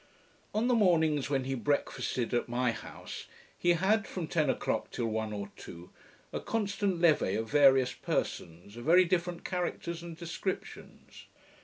On the mornings when he breakfasted at my house, he had, from ten o'clock till one or two, a constant levee of various persons, of very different characters and descriptions.